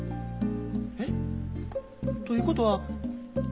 えっ？ということはいいの？